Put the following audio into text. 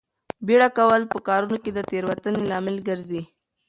بیړه کول په کارونو کې د تېروتنې لامل ګرځي.